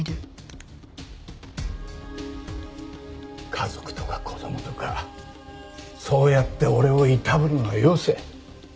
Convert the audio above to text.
家族とか子供とかそうやって俺をいたぶるのはよせ。